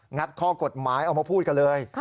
ัดข้อกฎหมายเอามาพูดกันเลย